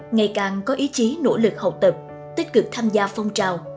ngày càng có ý chí nỗ lực học tập tích cực tham gia phong trào